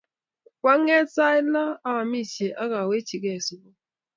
koang'et sait lo aamisie akawechigei sukul